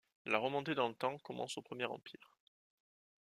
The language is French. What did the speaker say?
La remontée dans le temps commence au I Empire.